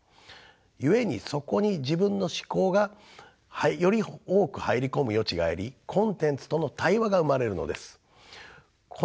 故にそこに自分の思考がより多く入り込む余地がありコンテンツとの対話が生まれるのです。